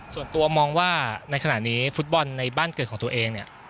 ส่วนตัวมองว่าในขณะนี้ฟุตบอลในบ้านเกิดของตัวเองเนี่ย